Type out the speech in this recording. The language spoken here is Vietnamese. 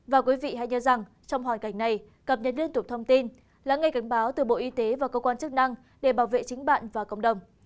và quý vị hãy nhớ rằng trong hoàn cảnh này cập nhật liên tục thông tin lắng nghe cảnh báo từ bộ y tế và cơ quan chức năng để bảo vệ chính bạn và cộng đồng